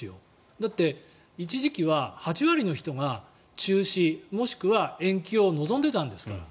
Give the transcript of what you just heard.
だって、一時期は８割の人が中止もしくは延期を望んでいたんですから。